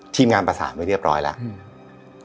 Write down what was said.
ทีมงานปราศาสตร์ไว้เรียบร้อยแล้วอืม